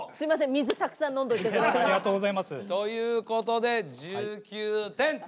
水たくさん飲んどいてください。ということで１９点と。